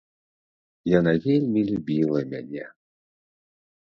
Яна вельмі любіла мяне.